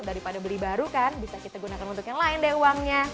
daripada beli baru kan bisa kita gunakan untuk yang lain deh uangnya